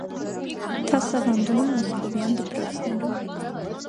Դասավանդում է մոսկովյան դպրոցներում։